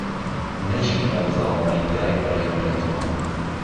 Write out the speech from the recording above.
نهژی ئهو زاڵمهی دایبڕیم له تۆ